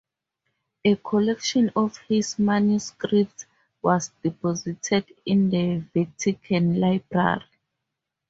A collection of his manuscripts was deposited in the Vatican Library.